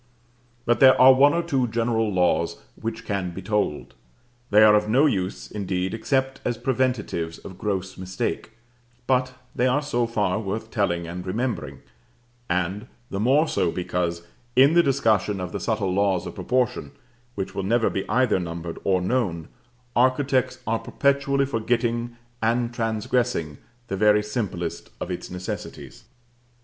But there are one or two general laws which can be told: they are of no use, indeed, except as preventives of gross mistake, but they are so far worth telling and remembering; and the more so because, in the discussion of the subtle laws of proportion (which will never be either numbered or known), architects are perpetually forgetting and transgressing the very simplest of its necessities.